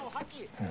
うん。